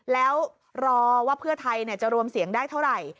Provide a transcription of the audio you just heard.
แล้วรอว่าเพื่อไทยจะรวมเสียงได้เท่าไหร่